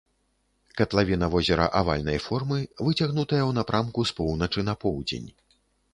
Катлавіна возера авальнай формы, выцягнутая ў напрамку з поўначы на поўдзень.